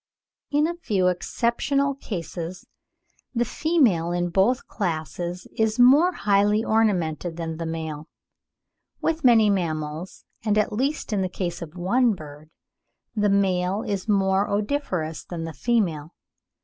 In a few exceptional cases the female in both classes is more highly ornamented than the male. With many mammals, and at least in the case of one bird, the male is more odoriferous than the female.